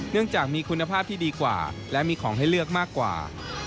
จากมีคุณภาพที่ดีกว่าและมีของให้เลือกมากกว่า